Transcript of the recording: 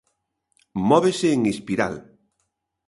Móvese en espiral.